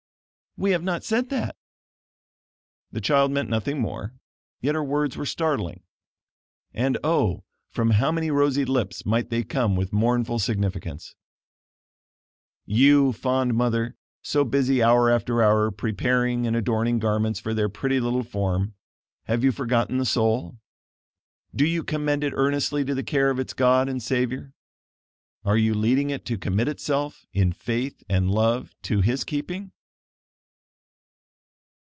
"We have not said that." The child meant nothing more, yet her words were startling. And, oh! from how many rosy lips might they come with mournful significance! You, fond mother, so busy hour after hour preparing and adorning garments for their pretty little form, have you forgotten the soul? Do you commend it earnestly to the care of its God and Savior? Are you leading it to commit itself, in faith and love to his keeping?